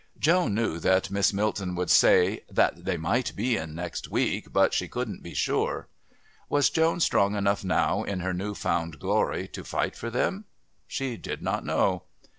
Joan knew what Miss Milton would say, "That they might be in next week, but that she couldn't be sure." Was Joan strong enough now, in her new found glory, to fight for them? She did not know.